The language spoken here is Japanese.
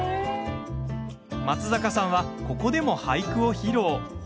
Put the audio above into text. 松坂さんは、ここでも俳句を披露。